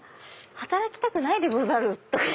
「働きたくないでござる」とか。